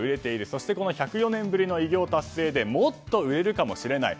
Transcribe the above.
そしてこの１０４年ぶりの偉業達成でもっと売れるかもしれない。